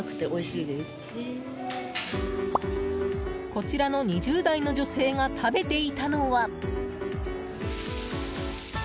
こちらの２０代の女性が食べていたのは。